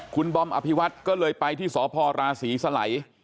คุณบอมอภิวัตก็เลยไปที่สราสีไสล์